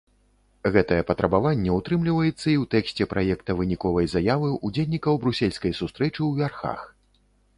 Гэтае патрабаванне ўтрымліваецца і ў тэксце праекта выніковай заявы ўдзельнікаў брусельскай сустрэчы ў вярхах.